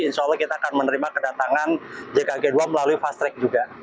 insya allah kita akan menerima kedatangan jkg dua melalui fast track juga